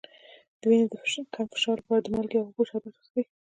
د وینې د کم فشار لپاره د مالګې او اوبو شربت وڅښئ